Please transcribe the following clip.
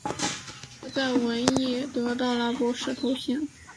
他在文艺高级委员会获得了伊朗绘画和伊斯兰艺术博士头衔。